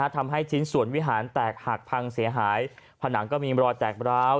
ทำให้ชิ้นส่วนวิหารแตกหักพังเสียหายผนังก็มีรอยแตกร้าว